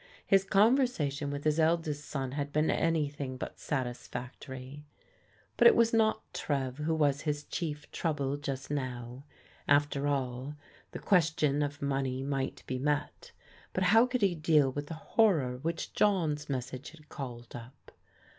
His conver sation with his eldest soon had been anything but satis factory. But it was not Trev who was his chief trouble just now. After all, the question of money might be met, but how could he deal with the horror which John's message had called up